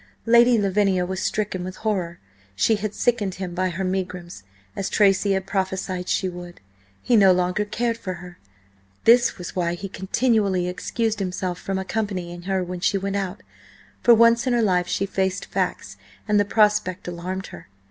Lady Lavinia was stricken with horror. She had sickened him by her megrims, as Tracy had prophesied she would! He no longer cared for her! This was why he continually excused himself from accompanying her when she went out! For once in her life she faced facts, and the prospect alarmed her.